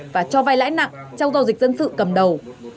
và cho vai lãi nặng trong giao dịch dân sự cầm đầu